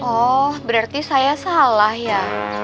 oh berarti saya salah ya